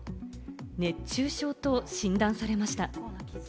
熱中症と診断されました。